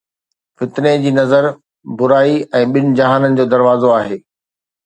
فتني جي نظر برائي ۽ ٻن جهانن جو دروازو آهي